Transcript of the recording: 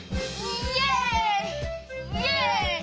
イエイ！